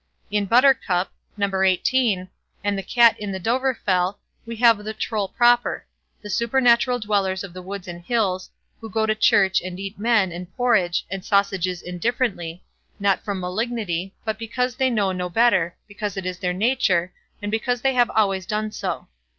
In "Buttercup", No. xviii, and "The Cat on the Dovrefell", we have the Troll proper,—the supernatural dwellers of the woods and hills, who go to church, and eat men, and porridge, and sausages indifferently, not from malignity, but because they know no better, because it is their nature, and because they have always done so.